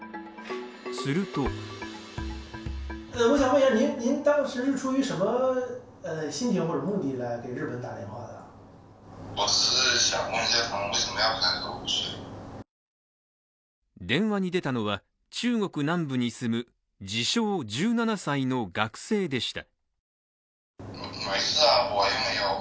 すると電話に出たのは、中国南部に住む自称・１７歳の学生でした。